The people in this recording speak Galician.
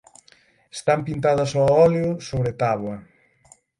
Están pintadas ó óleo sobre táboa.